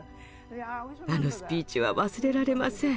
あのスピーチは忘れられません。